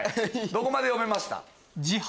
どこまで読めました？